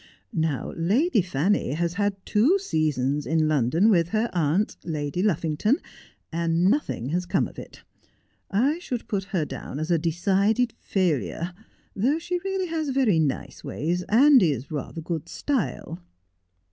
Now, Lady Fanny has had two seasons in London with her aunt, Lady Luffington, and nothing has come of it. I should put her down as a decided failure, though she really has very nice ways, and is rather good style.'